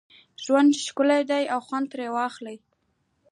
ژوند ښکلی دی او خوند ترې واخله